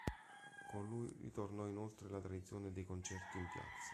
Con lui ritornò inoltre la tradizione dei concerti in piazza.